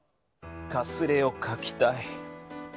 かすれをかきたい。